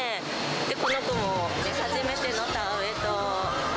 この子も初めての田植えと。